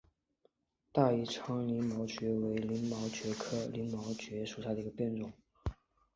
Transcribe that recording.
大宜昌鳞毛蕨为鳞毛蕨科鳞毛蕨属下的一个变种。